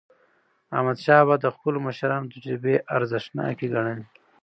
احمدشاه بابا د خپلو مشرانو تجربې ارزښتناکې ګڼلې.